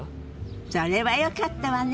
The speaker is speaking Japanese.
それはよかったわね。